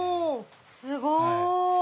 すごい！